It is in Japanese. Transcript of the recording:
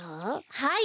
はい。